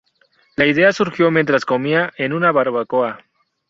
La idea surgió mientras comían en una barbacoa.